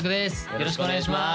よろしくお願いします！